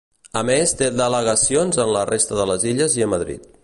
A més té delegacions en la resta de les illes i a Madrid.